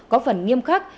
có phần nghiêm khắc